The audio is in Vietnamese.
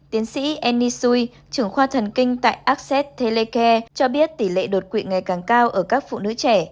tiến sĩ annie sui trưởng khoa thần kinh tại access telecare cho biết tỷ lệ đột quỵ ngày càng cao ở các phụ nữ trẻ